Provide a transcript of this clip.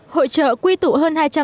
hội trợ quy tụ hơn hai trăm linh gia đình